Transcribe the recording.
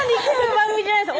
番組じゃないです